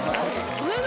上の。